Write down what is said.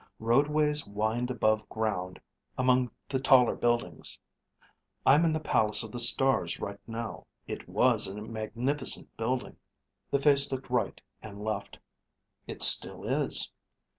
Roadways wind above ground among the taller buildings. I'm in the Palace of the Stars right now. It was a magnificent building." The face looked right and left. "It still is.